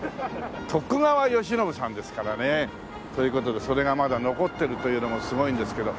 徳川慶喜さんですからね。という事でそれがまだ残ってるというのもすごいんですけど。